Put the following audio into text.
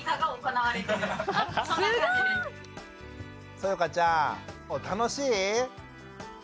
そよかちゃん楽しい？